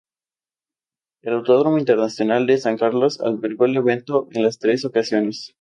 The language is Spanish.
El Autódromo Internacional de San Carlos albergó el evento en las tres ocasiones.